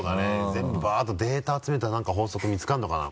全部バッとデータ集めたら何か法則見つかるのかな？